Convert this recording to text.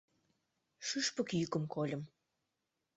Шӱшпык йӱкым кольым.